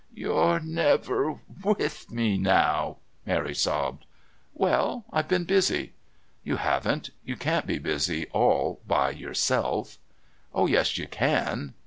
"You're never with me now," Mary sobbed. "Well, I've been busy." "You haven't. You can't be busy all by yourself." "Oh, yes, you can."